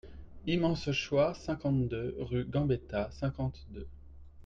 Immense choix cinquante-deux, rue Gambetta, cinquante-deux.